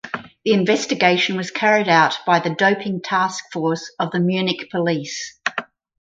The investigation was carried out by the doping task force of the Munich police.